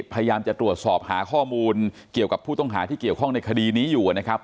พยายามจะตรวจสอบหาข้อมูลเกี่ยวกับผู้ต้องหาที่เกี่ยวข้องในคดีนี้อยู่นะครับ